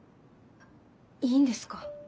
いいんですか？